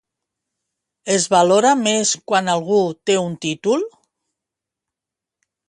Es valora més quan algú té un títol?